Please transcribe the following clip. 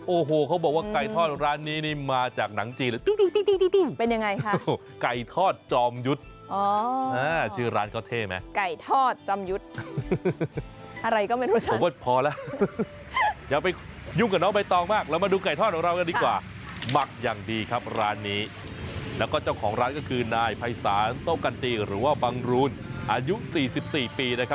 โอ้โหเขาบอกว่าไก่ทอดร้านนี้นี่มาจากหนังจีนเลย